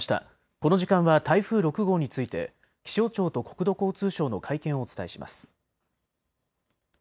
この時間は台風６号について気象庁と国土交通省の会見をお伝えします。